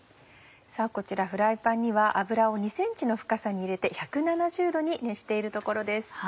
こちらフライパンには油を２ｃｍの深さに入れて１７０℃に熱しているところです。